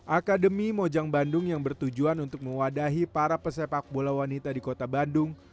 akademi mojang bandung yang bertujuan untuk mewadahi para pesepak bola wanita di kota bandung